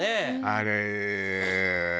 あれ。